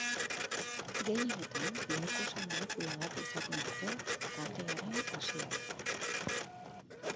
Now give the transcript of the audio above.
Gehienetan glukosa molekula bat izaten dute katearen hasieran.